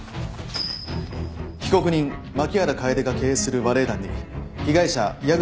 被告人槇原楓が経営するバレエ団に被害者矢口